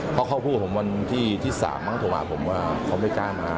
เพราะเขาพูดผมวันที่๓มั้งโทรหาผมว่าเขาไม่กล้ามา